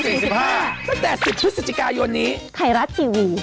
ตั้งแต่๑๐พฤศจิกายนนี้ไทยรัฐทีวี